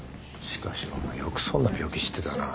しかしお前よくそんな病気知ってたな。